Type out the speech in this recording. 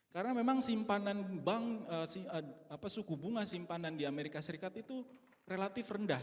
karena memang simpanan bank suku bunga simpanan di amerika serikat itu relatif rendah